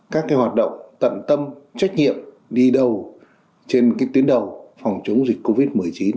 các hoạt động tận tâm trách nhiệm đi đầu trên tuyến đầu phòng chống dịch covid một mươi chín